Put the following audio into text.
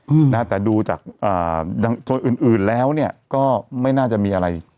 อืมนะฮะแต่ดูจากอ่าอย่างส่วนอื่นอื่นแล้วเนี้ยก็ไม่น่าจะมีอะไร